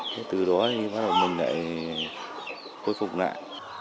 thế từ đó thì bắt đầu mình lại khôi phục lại